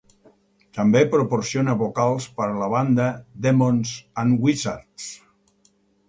També proporciona vocals per a la banda Demons and Wizards.